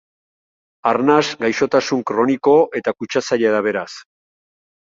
Arnas gaixotasun kroniko eta kutsatzailea da, beraz.